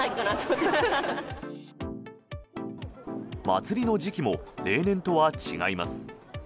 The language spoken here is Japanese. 祭りの時期も例年とは違います。